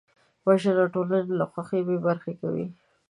وژنه ټولنه له خوښیو بېبرخې کوي